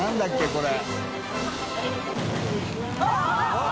これ。